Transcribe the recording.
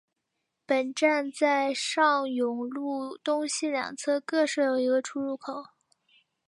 本站在上永路东西两侧各设一个出入口。